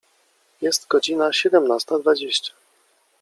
Jest godzina siedemnasta dwadzieścia.